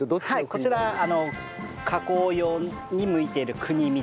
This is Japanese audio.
はいこちら加工用に向いている国見で。